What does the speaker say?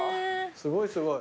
すごいすごい。